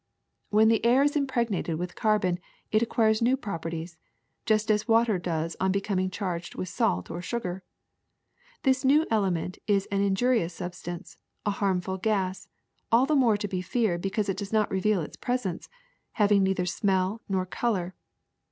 ^^When the air is impregnated mth carbon it ac quires new properties, just as water does on becom ing charged with salt or sugar. This new element is an injurious substance, a harmful gas, all the more to be feared because it does not reveal its presence, having neither smell nor color.